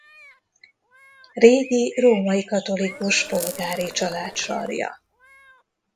Régi római katolikus polgári család sarja.